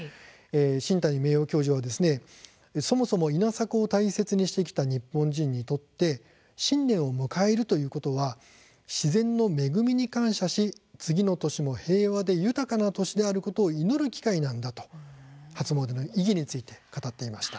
新谷名誉教授はそもそも稲作を大切にしてきた日本人にとって新年を迎えるということは自然の恵みに感謝し次の年も平和で豊かな年であることを祈る機会なんだと初詣の意義について語っていました。